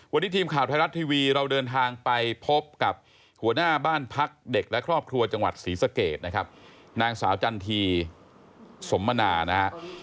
วันนี้ทีมข่าวไทยรัฐทีวีเราเดินทางไปพบกับหัวหน้าบ้านพักเด็กและครอบครัวจังหวัดศรีสะเกดนะครับนางสาวจันทีสมมนานะฮะ